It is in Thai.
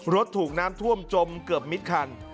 ถูกน้ำท่วมจมเกือบมิดคัน